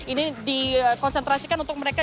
ini dikonsentrasikan untuk mereka